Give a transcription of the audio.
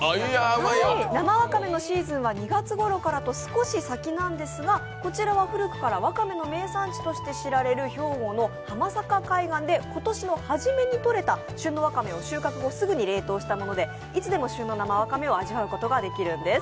生わかめのシーズンは２月ごろと少し先なんですが、こちらは古くからわかめの生産地として知られる兵庫の浜坂海岸で今年のはじめに採れた旬のわかめを収穫後、すぐに冷凍したものでいつでも旬の生わかめを味わうことができるんです。